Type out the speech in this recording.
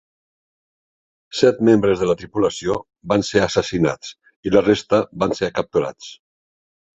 Set membres de la tripulació van ser assassinats i la resta van ser capturats.